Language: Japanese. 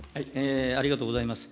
ありがとうございます。